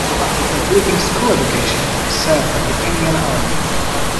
After completing school education, he served at the Kenyan Army.